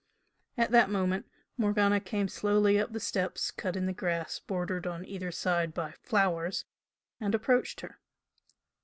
At that moment Morgana came slowly up the steps cut in the grass bordered on either side by flowers, and approached her.